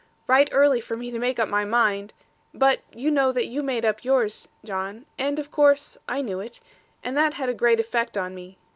Right early for me to make up my mind; but you know that you made up yours, John; and, of course, I knew it; and that had a great effect on me.